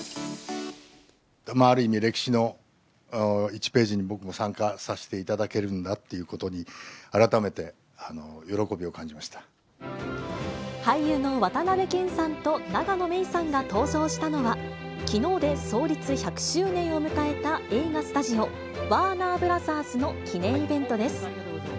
ある意味、歴史の１ページに僕も参加させていただけるんだってことに、俳優の渡辺謙さんと永野芽郁さんが登場したのは、きのうで創立１００周年を迎えた映画スタジオ、ワーナー・ブラザースの記念イベントです。